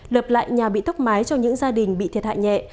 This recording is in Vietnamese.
lợp lại nhà bị tốc máy cho những gia đình bị thiệt hại nhẹ